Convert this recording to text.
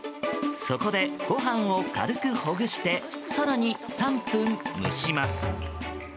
そこで、ご飯を軽くほぐして更に３分蒸します。